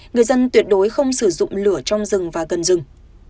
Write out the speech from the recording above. người dân tuyệt đối không sử dụng lửa trong rừng và gần rừng